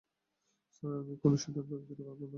Sir, আমি কোনও সিদ্ধান্ত দিতে পারব না।